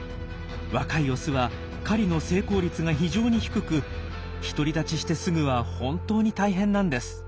若いオスは狩りの成功率が非常に低く独り立ちしてすぐは本当に大変なんです。